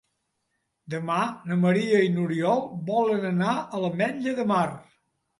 Demà na Maria i n'Oriol volen anar a l'Ametlla de Mar.